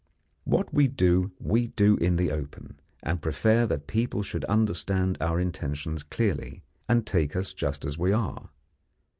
What we do, we do in the open, and prefer that people should understand our intentions clearly, and take us just as we are.